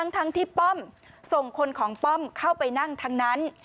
ทั้งที่ป้อมส่งคนของป้อมเข้าไปนั่งทั้งนั้น